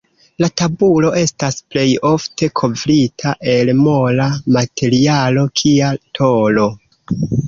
La tabulo estas plej ofte kovrita el mola materialo kia tolo.